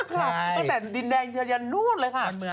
ตั้งแต่ดินแดงเชิญนวนเลยค่ะ